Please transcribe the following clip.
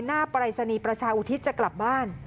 ปรายศนีย์ประชาอุทิศจะกลับบ้าน